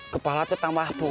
kepala tuh tambah pusing